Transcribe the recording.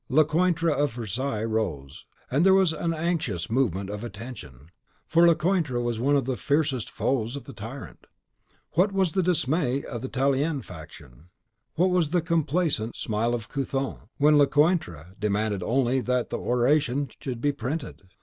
Lecointre of Versailles rose, and there was an anxious movement of attention; for Lecointre was one of the fiercest foes of the tyrant. What was the dismay of the Tallien faction; what the complacent smile of Couthon, when Lecointre demanded only that the oration should be printed!